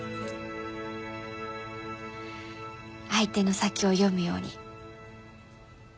相手の先を読むように。